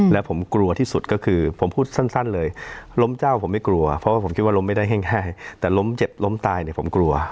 และผมกลัวที่สุดก็คือผมพูดสั้นเลยล้มเจ้าผมไม่กลัวเพราะว่าผมคิดว่าล้มไม่ได้ง่ายแต่ล้มเจ็บล้มตายเนี่ยผมกลัว